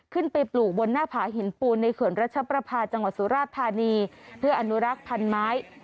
ปลูกบนหน้าผาหินปูนในเขื่อนรัชประพาจังหวัดสุราชธานีเพื่ออนุรักษ์พันธุ์ไม้